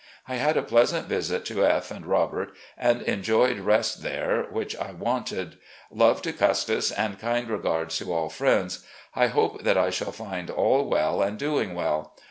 I had a pleasant visit to F and Robert, and enjoyed rest there, which I wanted. Love to Custis and kind regards to all friends. I hope that I shall find all well and doing well.